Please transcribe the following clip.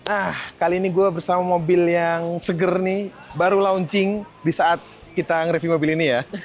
ah kali ini gue bersama mobil yang seger nih baru launching di saat kita ngereview mobil ini ya